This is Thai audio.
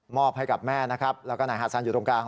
ให้กับแม่นะครับแล้วก็นายฮาซันอยู่ตรงกลาง